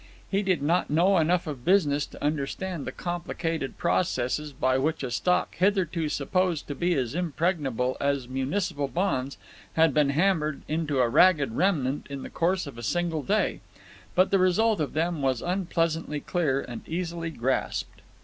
He did not know enough of business to understand the complicated processes by which a stock hitherto supposed to be as impregnable as municipal bonds had been hammered into a ragged remnant in the course of a single day; but the result of them was unpleasantly clear and easily grasped.